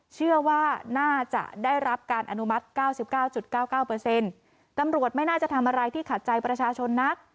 เชื่อว่าน่าจะได้รับการอนุมัติเก้าสิบเก้าจุดเก้าเก้าเปอร์เซ็นต์ตำรวจไม่น่าจะทำอะไรที่ขาดใจประชาชนนัก